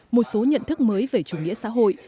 một số nhận thức mới về chủ nghĩa xã hội